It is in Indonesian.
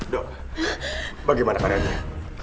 dok bagaimana keadaannya